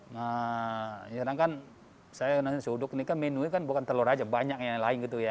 nah kadang kadang saya nasi huduk ini kan menu ini bukan telur aja banyak yang lain gitu ya